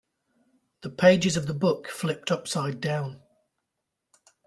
The pages of the book flipped upside down.